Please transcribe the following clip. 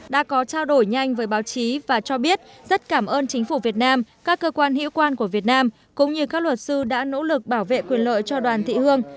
đoàn đã có trao đổi nhanh với báo chí và cho biết rất cảm ơn chính phủ việt nam các cơ quan hữu quan của việt nam cũng như các luật sư đã nỗ lực bảo vệ quyền lợi cho đoàn thị hương